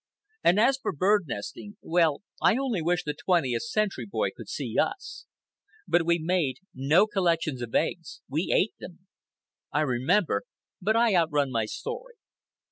And as for bird nesting—well, I only wish the twentieth century boy could see us. But we made no collections of eggs. We ate them. I remember—but I out run my story.